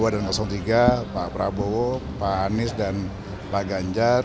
dua dan tiga pak prabowo pak anies dan pak ganjar